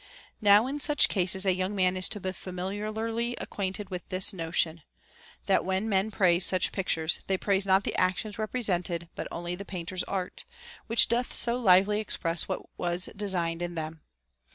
Now in such cases a young man is to be familiarly acquainted with this notion, that, when men praise such pictures, they praise not the actions represented but only the painters art, which doth so lively express what was designed in them.